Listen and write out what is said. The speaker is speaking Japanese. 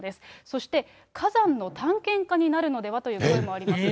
そして、火山の探検家になるのではという声もあります。